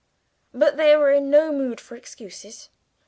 But they were in no mood for excuses.